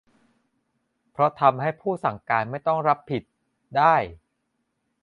เพราะทำให้ผู้สั่งการไม่ต้องรับผิด ได้